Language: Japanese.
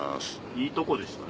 いいとこでしたね。